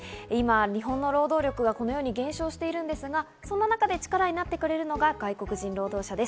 日本の労働力が今、このように減少していますが、その中で力になってくれるのが外国人労働者です。